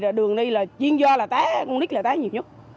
thì đường đi là chuyên do là tái con nít là tái nhiều nhất